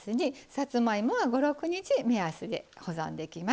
さつまいもは５６日目安で保存できます。